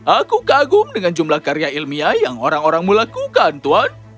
aku kagum dengan jumlah karya ilmiah yang orang orangmu lakukan tuan